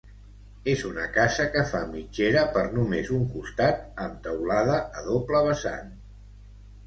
És una casa que fa mitgera per només un costat amb teulada a doble vessant.